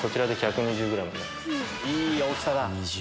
いい大きさだ。